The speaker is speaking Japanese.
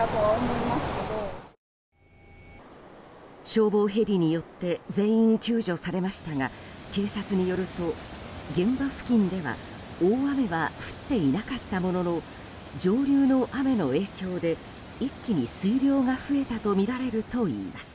消防ヘリによって全員救助されましたが警察によると、現場付近では大雨は降っていなかったものの上流の雨の影響で一気に水量が増えたとみられるといいます。